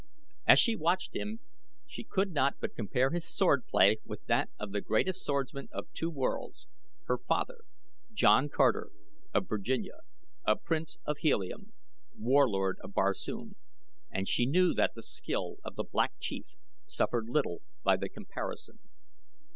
As she watched him she could not but compare his swordplay with that of the greatest swordsman of two worlds her father, John Carter, of Virginia, a Prince of Helium, Warlord of Barsoom and she knew that the skill of the Black Chief suffered little by the comparison.